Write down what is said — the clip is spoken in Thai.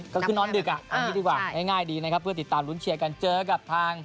ก็คือน้อนดึกอ่ะง่ายดีนะครับเพื่อติดตามรุ้นเชียร์กันเจอกับทาง